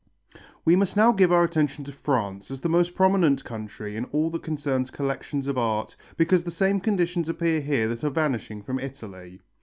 We must now give our attention to France as the most prominent country in all that concerns collections of art, because the same conditions appear here that are vanishing from Italy.